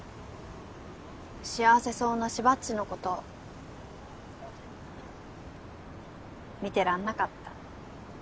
幸せそうな芝っちのこと見てらんなかった。